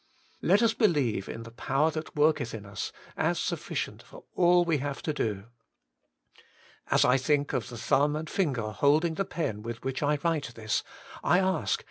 Let us believe in the power that worketh in us as sufficient for all we have to do. As I think of the thumb and finger holding the pen with which I write this, I ask.